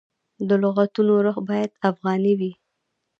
د لغتونو روح باید افغاني وي.